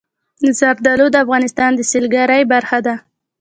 زردالو د افغانستان د سیلګرۍ برخه ده.